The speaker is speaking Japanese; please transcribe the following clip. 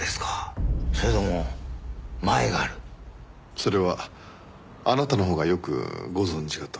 それはあなたのほうがよくご存じかと。